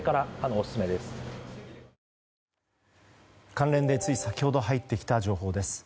関連で、つい先ほど入ってきた情報です。